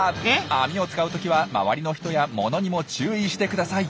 網を使うときは周りの人や物にも注意してください。